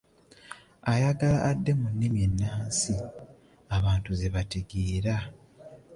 Ayagala adde mu nnimi ennansi, abantu ze bategeera.